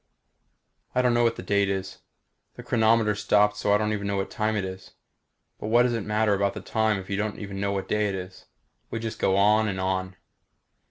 I don't know what the date is. The chronometer stopped so I don't even know what time it is. But what does it matter about the time if you don't even know what day it is? We just go on and on.